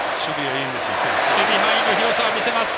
守備範囲の広さを見せます。